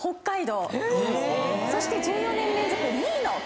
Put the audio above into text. そして１４年連続２位の京都。